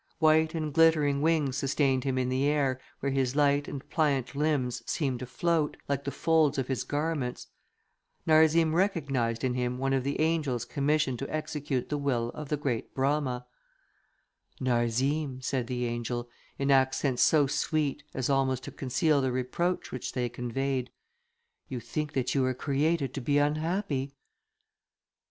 White and glittering wings sustained him in the air, where his light and pliant limbs seemed to float, like the folds of his garments. Narzim recognised in him one of the angels[C] commissioned to execute the will of the great Brama. [C] In the East these angels are denominated Deptas. "Narzim," said the angel, in accents so sweet, as almost to conceal the reproach which they conveyed, "you think that you were created to be unhappy."